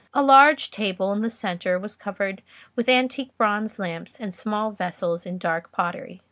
A large table in the centre was covered with antique bronze lamps and small vessels in dark pottery.